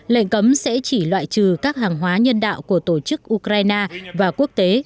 lệnh cấm sẽ chỉ loại trừ các hàng hóa nhân đạo của tổ chức ukraine và quốc tế